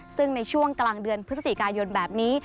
ซึ่งในช่วงกลางเดือนพฤศจิกายนแบบนี้